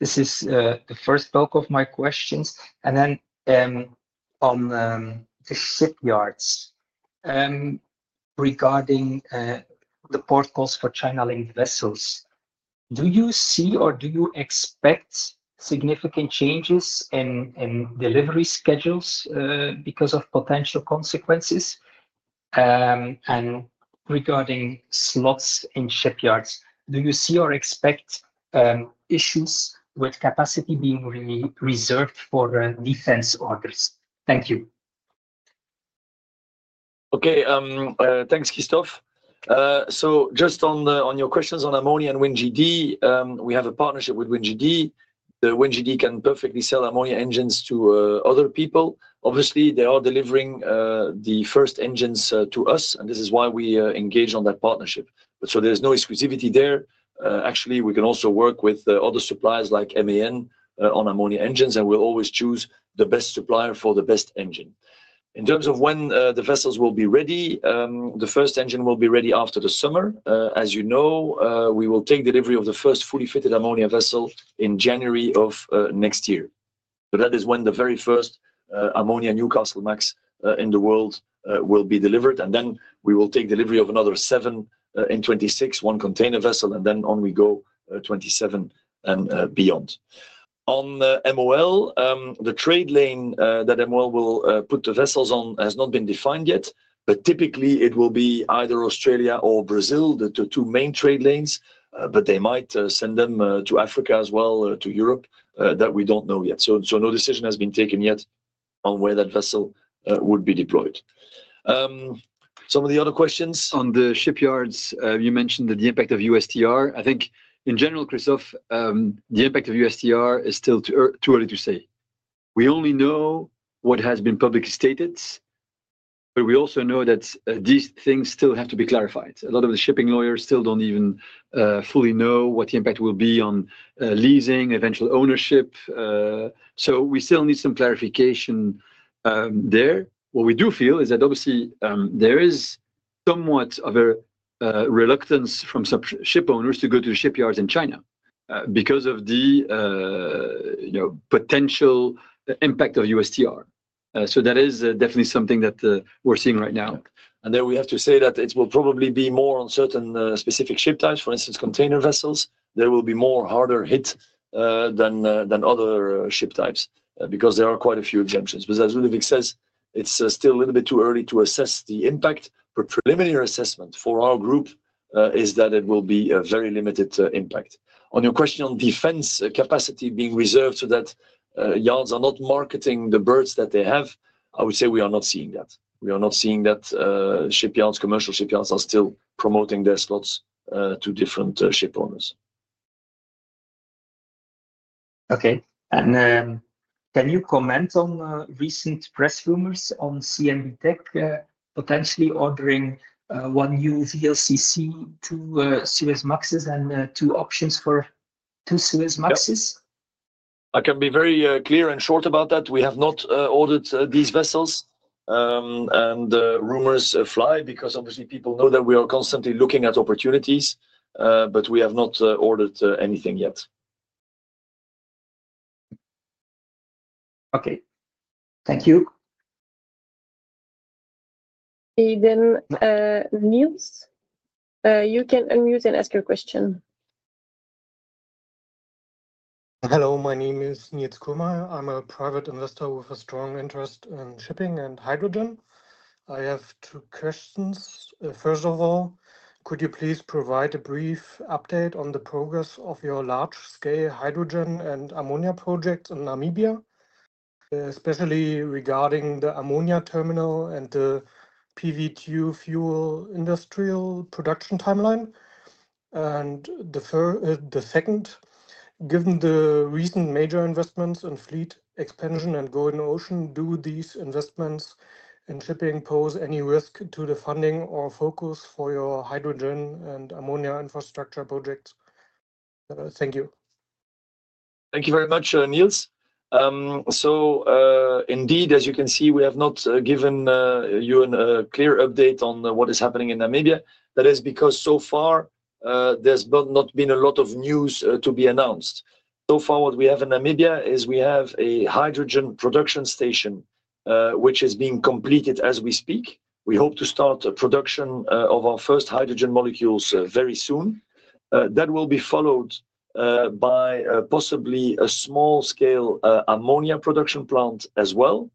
Speaker 6: This is the first bulk of my questions. Then on the shipyards, regarding the port calls for China-linked vessels, do you see or do you expect significant changes in delivery schedules because of potential consequences? Regarding slots in shipyards, do you see or expect issues with capacity being reserved for defense orders? Thank you.
Speaker 1: Okay. Thanks, Kristof. Just on your questions on ammonia and WinGD, we have a partnership with WinGD. WinGD can perfectly sell ammonia engines to other people. Obviously, they are delivering the first engines to us, and this is why we engage on that partnership. There is no exclusivity there. Actually, we can also work with other suppliers like MAN on ammonia engines, and we'll always choose the best supplier for the best engine. In terms of when the vessels will be ready, the first engine will be ready after the summer. As you know, we will take delivery of the first fully fitted ammonia vessel in January of next year. That is when the very first ammonia-powered Newcastlemax in the world will be delivered. We will take delivery of another seven in 2026, one container vessel, and then on we go 2027 and beyond. On MOL, the trade lane that MOL will put the vessels on has not been defined yet, but typically, it will be either Australia or Brazil, the two main trade lanes, but they might send them to Africa as well, to Europe, that we don't know yet. No decision has been taken yet on where that vessel would be deployed.
Speaker 2: Some of the other questions on the shipyards, you mentioned the impact of USTR. I think in general, Kristof, the impact of USTR is still too early to say. We only know what has been publicly stated, but we also know that these things still have to be clarified. A lot of the shipping lawyers still don't even fully know what the impact will be on leasing, eventual ownership. So, we still need some clarification there. What we do feel is that obviously, there is somewhat of a reluctance from some ship owners to go to the shipyards in China because of the potential impact of USTR. So that is definitely something that we're seeing right now.
Speaker 1: And then we have to say that it will probably be more on certain specific ship types, for instance, container vessels. There will be more harder hit than other ship types because there are quite a few exemptions. As Ludovic says, it's still a little bit too early to assess the impact. Preliminary assessment for our group is that it will be a very limited impact. On your question on defense capacity being reserved so that yards are not marketing the birds that they have, I would say we are not seeing that. We are not seeing that shipyards, commercial shipyards, are still promoting their slots to different ship owners.
Speaker 6: Okay. Can you comment on recent press rumors on CMB.TECH potentially ordering one new VLCC, two Suezmaxes, and two options for two Suezmaxes?
Speaker 1: I can be very clear and short about that. We have not ordered these vessels, and rumors fly because obviously, people know that we are constantly looking at opportunities, but we have not ordered anything yet.
Speaker 6: Okay. Thank you.
Speaker 4: Nils, you can unmute and ask your question.
Speaker 7: Hello. My name is Nils Kohlmey. I'm a private investor with a strong interest in shipping and hydrogen. I have two questions. First of all, could you please provide a brief update on the progress of your large-scale hydrogen and ammonia projects in Namibia, especially regarding the ammonia terminal and the PV2 fuel industrial production timeline? The second, given the recent major investments in fleet expansion and Golden Ocean, do these investments in shipping pose any risk to the funding or focus for your hydrogen and ammonia infrastructure projects? Thank you.
Speaker 1: Thank you very much, Nils. So, indeed, as you can see, we have not given you a clear update on what is happening in Namibia. That is because so far, there has not been a lot of news to be announced. So far, what we have in Namibia is a hydrogen production station which is being completed as we speak. We hope to start production of our first hydrogen molecules very soon. That will be followed by possibly a small-scale ammonia production plant as well.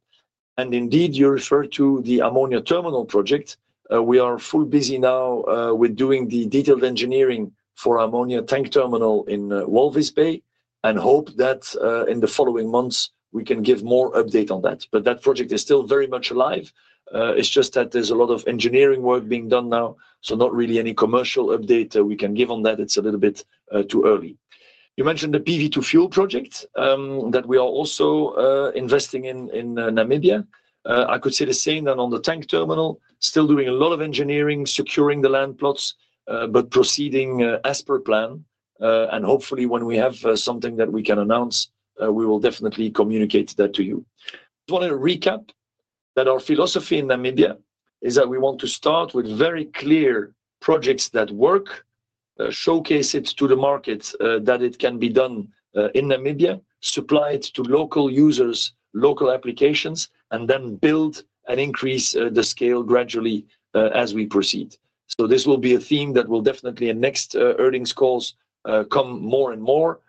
Speaker 1: And indeed, you refer to the ammonia terminal project. We are full busy now with doing the detailed engineering for ammonia tank terminal in Walvis Bay and hope that in the following months, we can give more update on that. That project is still very much alive. It's just that there's a lot of engineering work being done now, so not really any commercial update we can give on that. It's a little bit too early. You mentioned the PV2 fuel project that we are also investing in Namibia. I could say the same then on the tank terminal, still doing a lot of engineering, securing the land plots, but proceeding as per plan. Hopefully, when we have something that we can announce, we will definitely communicate that to you. I just want to recap that our philosophy in Namibia is that we want to start with very clear projects that work, showcase it to the market that it can be done in Namibia, supply it to local users, local applications, and then build and increase the scale gradually as we proceed. This will be a theme that will definitely in next earnings calls come more and more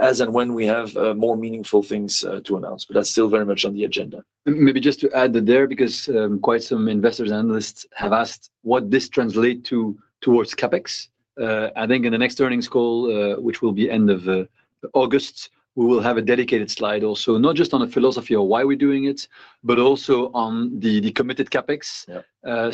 Speaker 1: as and when we have more meaningful things to announce. That is still very much on the agenda.
Speaker 2: Maybe just to add there because quite some investors and analysts have asked what this translates to towards CapEx. I think in the next earnings call, which will be end of August, we will have a dedicated slide also, not just on the philosophy of why we're doing it, but also on the committed CapEx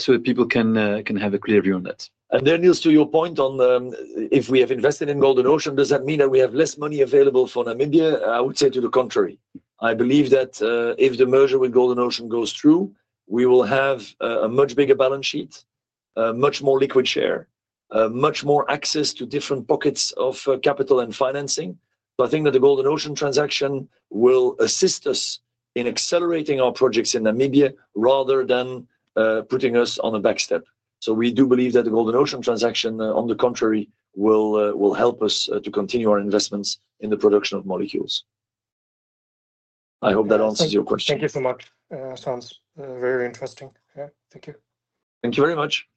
Speaker 2: so that people can have a clear view on that.
Speaker 1: Nils, to your point on if we have invested in Golden Ocean, does that mean that we have less money available for Namibia? I would say to the contrary. I believe that if the merger with Golden Ocean goes through, we will have a much bigger balance sheet, much more liquid share, much more access to different pockets of capital and financing. I think that the Golden Ocean transaction will assist us in accelerating our projects in Namibia rather than putting us on a backstep. So we do believe that the Golden Ocean transaction, on the contrary, will help us to continue our investments in the production of molecules. I hope that answers your question.
Speaker 7: Thank you so much. Sounds very interesting. Yeah. Thank you.
Speaker 1: Thank you very much.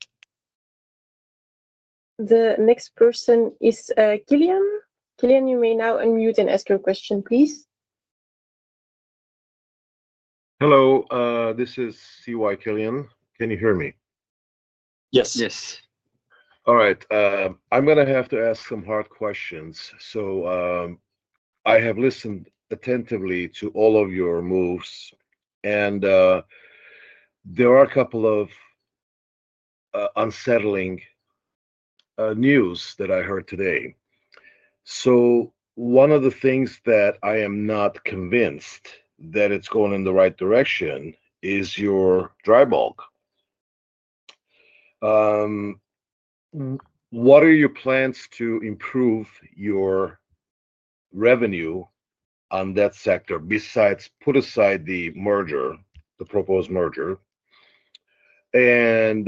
Speaker 4: The next person is Killian. Killian, you may now unmute and ask your question, please.
Speaker 8: Hello. This is C.Y. Killian. Can you hear me?
Speaker 1: Yes. Yes.
Speaker 8: All right. I'm going to have to ask some hard questions. I have listened attentively to all of your moves, and there are a couple of unsettling news that I heard today. So, one of the things that I am not convinced that it's going in the right direction is your dry bulk. What are your plans to improve your revenue on that sector besides put aside the merger, the proposed merger? And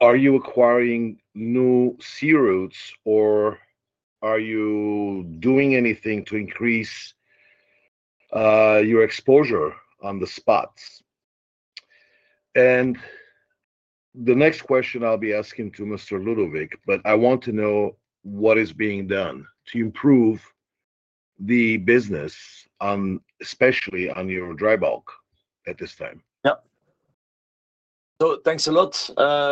Speaker 8: are you acquiring new sea routes, or are you doing anything to increase your exposure on the spots? The next question I will be asking to Mr. Ludovic, but I want to know what is being done to improve the business, especially on your dry bulk at this time.
Speaker 1: Thanks a lot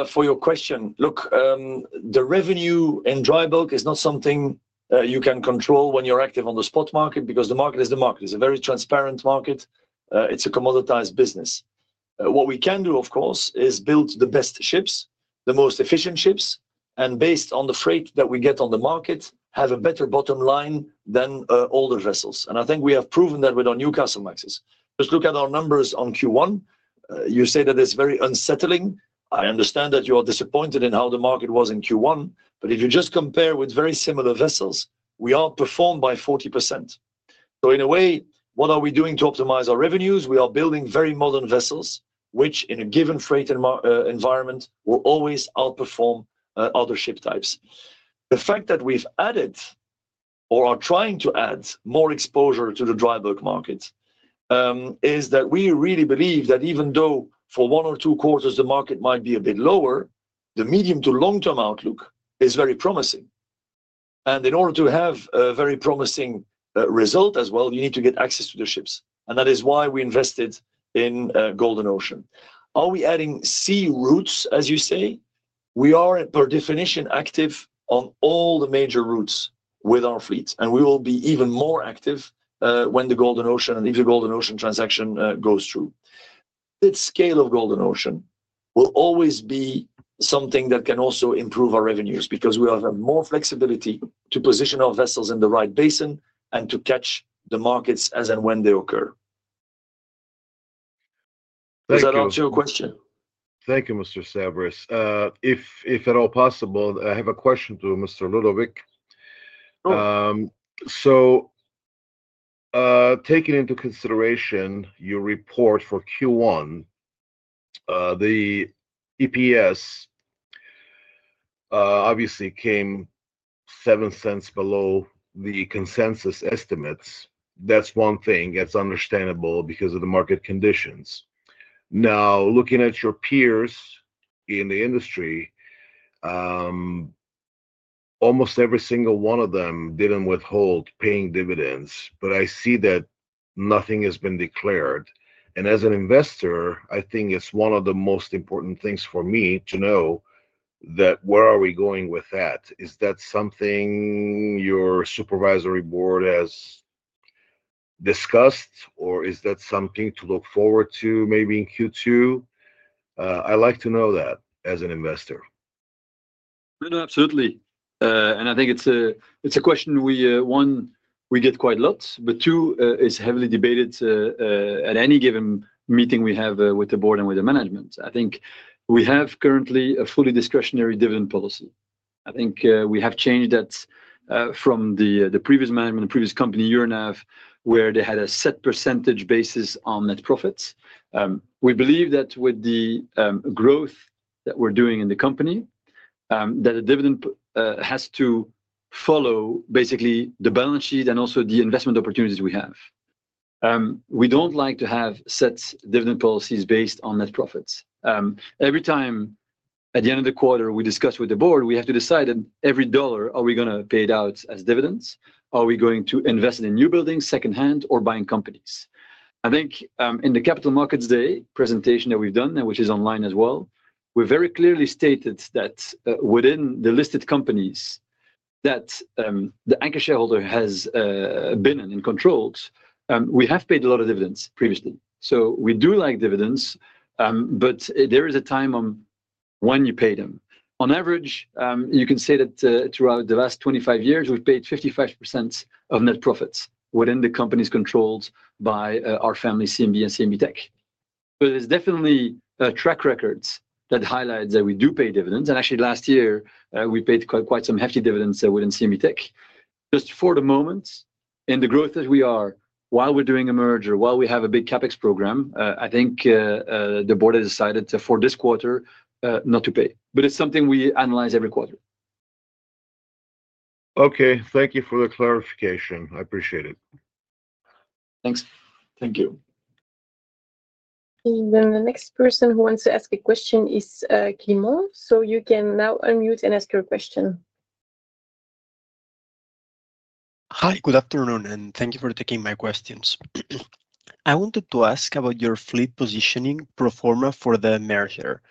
Speaker 1: for your question. Look, the revenue in dry bulk is not something you can control when you are active on the spot market because the market is the market. It is a very transparent market. It is a commoditized business. What we can do, of course, is build the best ships, the most efficient ships, and based on the freight that we get on the market, have a better bottom line than older vessels. I think we have proven that with our Newcastlemaxes. Just look at our numbers on Q1. You say that it is very unsettling. I understand that you are disappointed in how the market was in Q1, but if you just compare with very similar vessels, we outperformed by 40%. In a way, what are we doing to optimize our revenues? We are building very modern vessels, which in a given freight environment will always outperform other ship types. The fact that we've added or are trying to add more exposure to the dry bulk market is that we really believe that even though for one or two quarters, the market might be a bit lower, the medium to long-term outlook is very promising. In order to have a very promising result as well, you need to get access to the ships. That is why we invested in Golden Ocean. Are we adding sea routes, as you say? We are, per definition, active on all the major routes with our fleets, and we will be even more active when the Golden Ocean and if the Golden Ocean transaction goes through. The scale of Golden Ocean will always be something that can also improve our revenues because we will have more flexibility to position our vessels in the right basin and to catch the markets as and when they occur. Does that answer your question?
Speaker 8: Thank you, Mr. Saverys. If at all possible, I have a question to Mr. Ludovic. So taking into consideration your report for Q1, the EPS obviously came $0.07 below the consensus estimates. That's one thing. That's understandable because of the market conditions. Now, looking at your peers in the industry, almost every single one of them did not withhold paying dividends, but I see that nothing has been declared. And as an investor, I think it's one of the most important things for me to know, where are we going with that? Is that something your supervisory board has discussed, or is that something to look forward to maybe in Q2? I'd like to know that as an investor.
Speaker 2: Absolutely. I think it's a question, one, we get quite a lot, but two, it's heavily debated at any given meeting we have with the board and with the management. I think we have currently a fully discretionary dividend policy. I think we have changed that from the previous management, the previous company year and a half, where they had a set % basis on net profits. We believe that with the growth that we're doing in the company, a dividend has to follow basically the balance sheet and also the investment opportunities we have. We don't like to have set dividend policies based on net profits. Every time at the end of the quarter, we discuss with the board, we have to decide that every dollar, are we going to pay it out as dividends? Are we going to invest in new buildings, secondhand, or buying companies? I think in the Capital Markets Day presentation that we've done, which is online as well, we very clearly stated that within the listed companies that the anchor shareholder has been in and controlled, we have paid a lot of dividends previously. We do like dividends, but there is a time when you pay them. On average, you can say that throughout the last 25 years, we've paid 55% of net profits within the companies controlled by our family, CMB and CMB.TECH. There is definitely track records that highlight that we do pay dividends. Actually, last year, we paid quite some hefty dividends within CMB.TECH. Just for the moment, in the growth that we are, while we're doing a merger, while we have a big CapEx program, I think the board has decided for this quarter not to pay. But it is something we analyze every quarter.
Speaker 8: Okay. Thank you for the clarification. I appreciate it.
Speaker 2: Thanks.
Speaker 8: Thank you.
Speaker 4: The next person who wants to ask a question is Climent. You can now unmute and ask your question.
Speaker 9: Hi. Good afternoon, and thank you for taking my questions. I wanted to ask about your fleet positioning pro forma for the merger.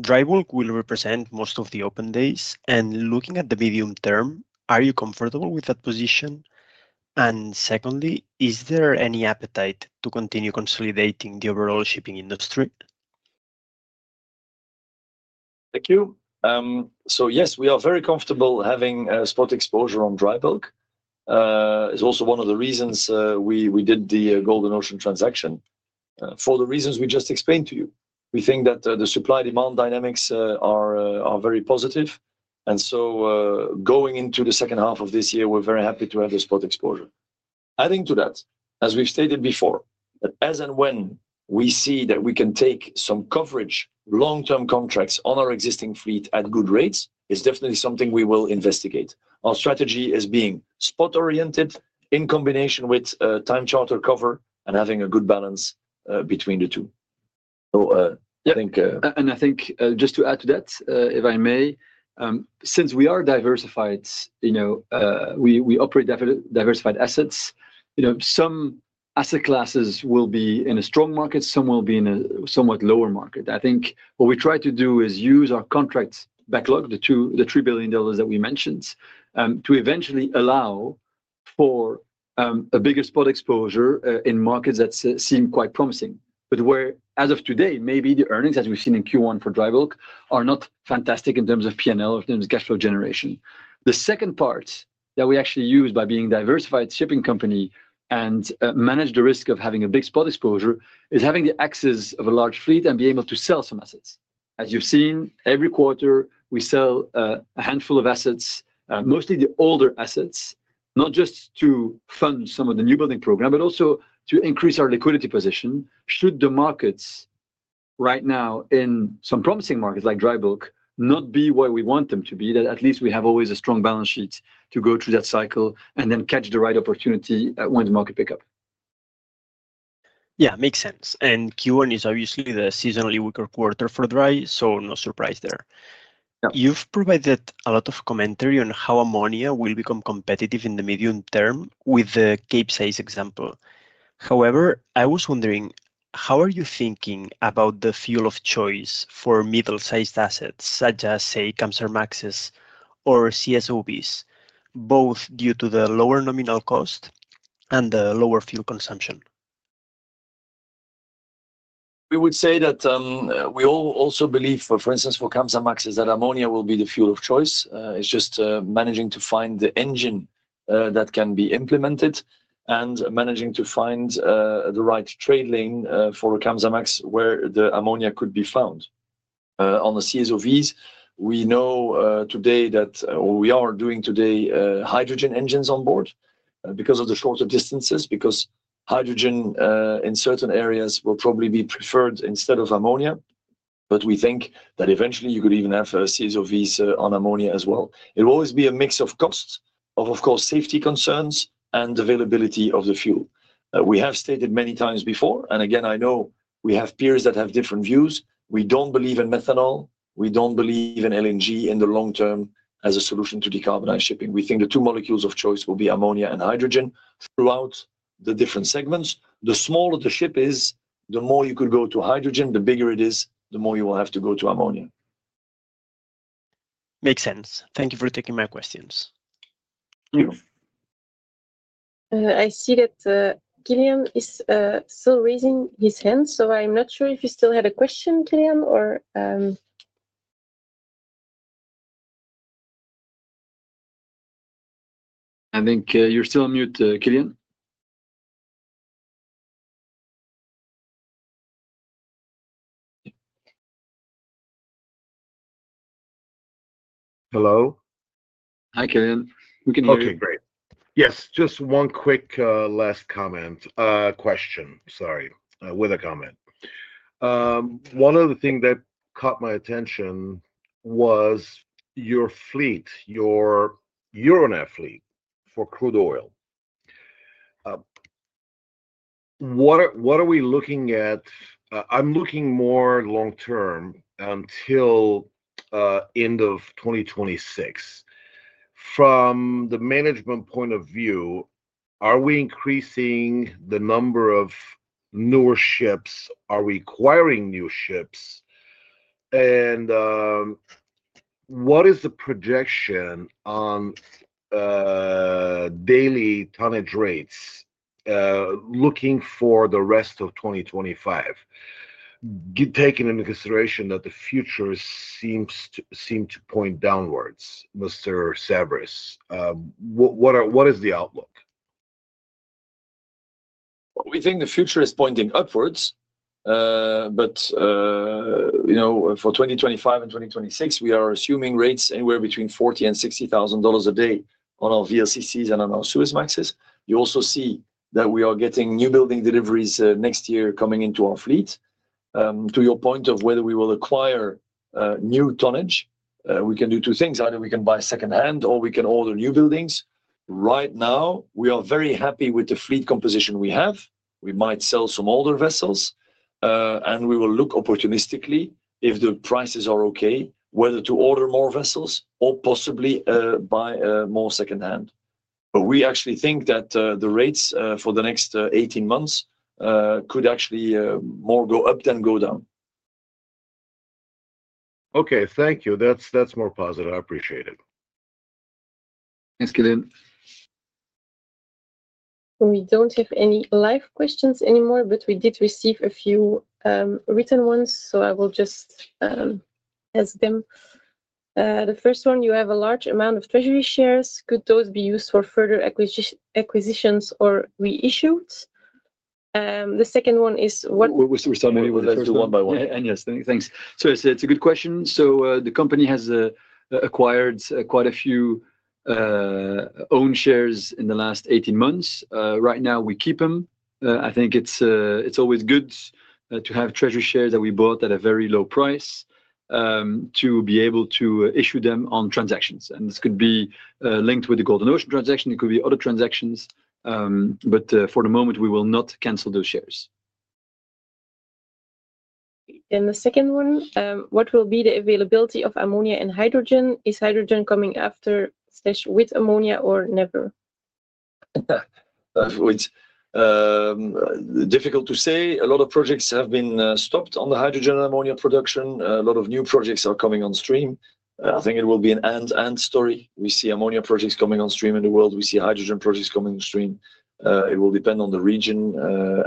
Speaker 9: Dry bulk will represent most of the open days, and looking at the medium term, are you comfortable with that position? Secondly, is there any appetite to continue consolidating the overall shipping industry?
Speaker 1: Thank you. So, yes, we are very comfortable having spot exposure on dry bulk. It's also one of the reasons we did the Golden Ocean transaction for the reasons we just explained to you. We think that the supply-demand dynamics are very positive. So, going into the second half of this year, we're very happy to have the spot exposure. Adding to that, as we've stated before, as and when we see that we can take some coverage long-term contracts on our existing fleet at good rates, it's definitely something we will investigate. Our strategy is being spot-oriented in combination with time-charter cover and having a good balance between the two.
Speaker 2: I think, just to add to that, if I may, since we are diversified, we operate diversified assets. Some asset classes will be in a strong market. Some will be in a somewhat lower market. I think what we try to do is use our contract backlog, the $3 billion that we mentioned, to eventually allow for a bigger spot exposure in markets that seem quite promising. Where as of today, maybe the earnings that we've seen in Q1 for dry bulk are not fantastic in terms of P&L, in terms of cash flow generation. The second part that we actually use by being a diversified shipping company and manage the risk of having a big spot exposure is having the access of a large fleet and being able to sell some assets. As you've seen, every quarter, we sell a handful of assets, mostly the older assets, not just to fund some of the new building program, but also to increase our liquidity position. Should the markets right now in some promising markets like dry bulk not be where we want them to be, at least we have always a strong balance sheet to go through that cycle and then catch the right opportunity when the market picks up.
Speaker 9: Yeah. Makes sense. And, Q1 is obviously the seasonally weaker quarter for dry, so no surprise there. You've provided a lot of commentary on how ammonia will become competitive in the medium term with the Capesize example. However, I was wondering, how are you thinking about the fuel of choice for middle-sized assets such as, say, Kamsarmaxes or CSOVs, both due to the lower nominal cost and the lower fuel consumption?
Speaker 1: We would say that we also believe, for instance, for Kamsarmaxes, that ammonia will be the fuel of choice. It's just managing to find the engine that can be implemented and managing to find the right trade lane for Kamsarmax where the ammonia could be found. On the CSOVs, we know today that we are doing today hydrogen engines on board because of the shorter distances, because hydrogen in certain areas will probably be preferred instead of ammonia. We think that eventually, you could even have CSOVs on ammonia as well. It will always be a mix of costs, of course, safety concerns and availability of the fuel. We have stated many times before, and again, I know we have peers that have different views. We don't believe in methanol. We don't believe in LNG in the long term as a solution to decarbonize shipping. We think the two molecules of choice will be ammonia and hydrogen throughout the different segments. The smaller the ship is, the more you could go to hydrogen. The bigger it is, the more you will have to go to ammonia.
Speaker 9: Makes sense. Thank you for taking my questions.
Speaker 1: Thank you.
Speaker 4: I see that Killian is still raising his hand, so I'm not sure if you still had a question, Killian, or.
Speaker 2: I think you're still on mute, Killian.
Speaker 8: Hello?
Speaker 1: Hi, Killian. We can hear you.
Speaker 8: Okay. Great. Yes. Just one quick last comment, question, sorry, with a comment. One of the things that caught my attention was your fleet, your Euronav fleet for crude oil. What are we looking at? I'm looking more long term until end of 2026. From the management point of view, are we increasing the number of newer ships? Are we acquiring new ships? And what is the projection on daily tonnage rates looking for the rest of 2025, taking into consideration that the future seems to point downwards, Mr. Saverys? What is the outlook?
Speaker 1: We think the future is pointing upwards. For 2025 and 2026, we are assuming rates anywhere between $40,000 and $60,000 a day on our VLCCs and on our Suezmaxes. You also see that we are getting newbuilding deliveries next year coming into our fleet. To your point of whether we will acquire new tonnage, we can do two things. Either we can buy secondhand or we can order new buildings. Right now, we are very happy with the fleet composition we have. We might sell some older vessels, and we will look opportunistically if the prices are okay, whether to order more vessels or possibly buy more secondhand. But we actually think that the rates for the next 18 months could actually more go up than go down.
Speaker 8: Okay. Thank you. That is more positive. I appreciate it.
Speaker 2: Thanks, Killian.
Speaker 4: We do not have any live questions anymore, but we did receive a few written ones, so I will just ask them. The first one, you have a large amount of treasury shares. Could those be used for further acquisitions or reissued? The second one is what.
Speaker 2: We are still on mute. We will just do one by one. Yes, thanks. It is a good question. The company has acquired quite a few own shares in the last 18 months. Right now, we keep them. I think it is always good to have treasury shares that we bought at a very low price to be able to issue them on transactions. This could be linked with the Golden Ocean transaction. It could be other transactions. For the moment, we will not cancel those shares.
Speaker 4: The second one, what will be the availability of ammonia and hydrogen? Is hydrogen coming after/with ammonia or never?
Speaker 1: Difficult to say. A lot of projects have been stopped on the hydrogen and ammonia production. A lot of new projects are coming on stream. I think it will be an and-and story. We see ammonia projects coming on stream in the world. We see hydrogen projects coming on stream. It will depend on the region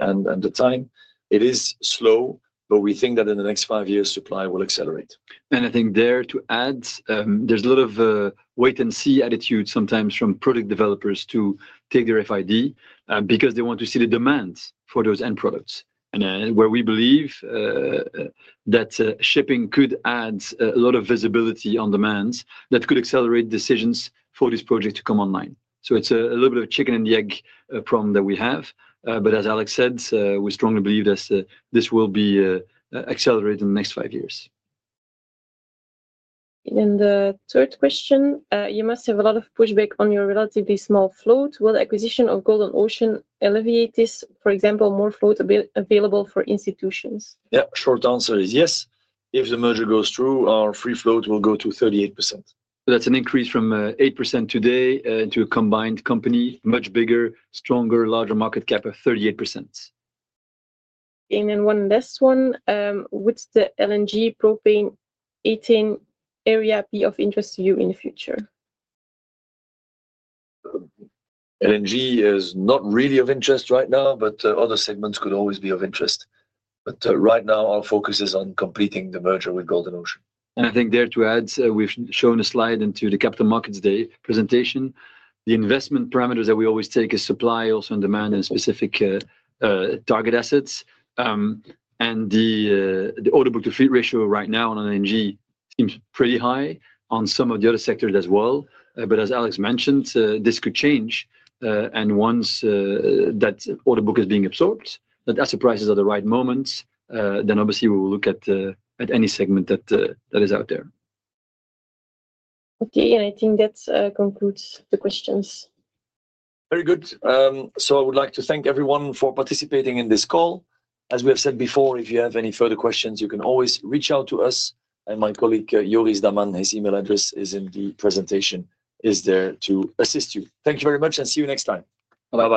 Speaker 1: and the time. It is slow, but we think that in the next five years, supply will accelerate.
Speaker 2: I think there to add, there's a lot of wait-and-see attitude sometimes from product developers to take their FID because they want to see the demand for those end products. Where we believe that shipping could add a lot of visibility on demands that could accelerate decisions for this project to come online. It is a little bit of a chicken-and-the-egg problem that we have. As Alex said, we strongly believe that this will be accelerated in the next five years.
Speaker 4: The third question, you must have a lot of pushback on your relatively small float. Will acquisition of Golden Ocean alleviate this, for example, more float available for institutions?
Speaker 1: Yeah. Short answer is yes. If the merger goes through, our free float will go to 38%.
Speaker 2: That is an increase from 8% today to a combined company, much bigger, stronger, larger market cap of 38%.
Speaker 4: One last one. Would the LNG propane, ethane area be of interest to you in the future?
Speaker 1: LNG is not really of interest right now, but other segments could always be of interest. Right now, our focus is on completing the merger with Golden Ocean.
Speaker 2: I think there to add, we've shown a slide in the Capital Markets Day presentation. The investment parameters that we always take is supply also on demand and specific target assets. And the order book-to-fleet ratio right now on LNG seems pretty high on some of the other sectors as well. As Alex mentioned, this could change. And once that order book is being absorbed, that asset prices are the right moments, then obviously, we will look at any segment that is out there.
Speaker 4: Okay. I think that concludes the questions. Very good.
Speaker 1: So, I would like to thank everyone for participating in this call. As we have said before, if you have any further questions, you can always reach out to us. My colleague, Joris Daman, his email address is in the presentation, is there to assist you. Thank you very much, and see you next time. Bye-bye.